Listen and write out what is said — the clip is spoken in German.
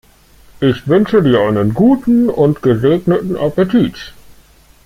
Ich wünsche dir einen guten und gesegneten Appetit!